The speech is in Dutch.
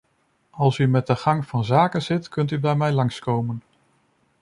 Als u met de gang van zaken zit, kunt u bij mij langskomen.